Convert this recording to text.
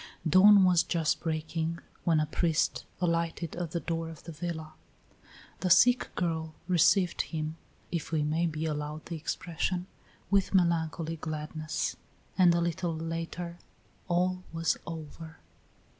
Dawn was just breaking when a priest alighted at the door of the villa. The sick girl received him, if we may be allowed the expression, with melancholy gladness, and a little later all was over.